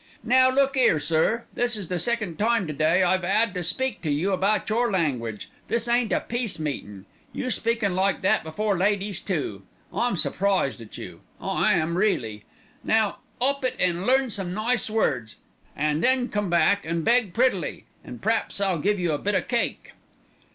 "Now look 'ere, sir, this is the second time to day I've 'ad to speak to you about your language. This ain't a peace meetin'. You speakin' like that before ladies too. I'm surprised at you, I am really. Now 'op it an' learn some nice words, an' then come back an' beg prettily, an' p'raps I'll give you a bit o' cake."